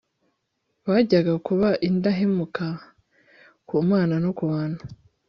bajyaga kuba indahemuka ku Mana no ku bantu